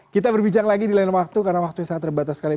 kita berbincang lagi di lain waktu karena waktunya sangat terbatas sekali